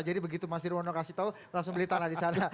jadi begitu mas irwono kasih tau langsung beli tanah disana